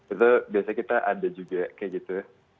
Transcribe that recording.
itu biasanya kita ada juga kayak gitu ya